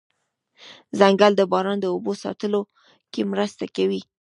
ځنګل د باران اوبو ساتلو کې مرسته کوي